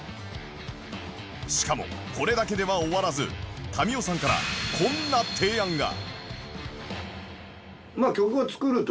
しかもこれだけでは終わらず民生さんからこんな提案が